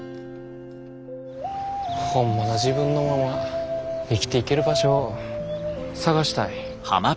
ホンマの自分のまま生きていける場所を探したい。